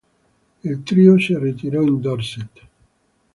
Il trio si ritirò in Dorset.